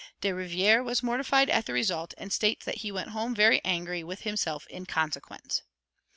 De Rivière was mortified at the result, and states that he went home very angry with himself in consequence.